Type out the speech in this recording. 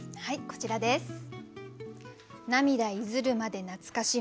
はいこちらです。